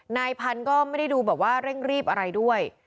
นายพันธุ์ก็ไม่ได้ดูแบบว่าเร่งรีบอะไรด้วย